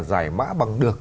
giải mã bằng được